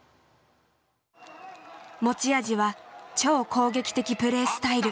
持ち味は超攻撃的プレースタイル。